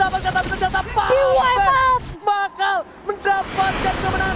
ternyata bang pen bakal mendapatkan kemenangan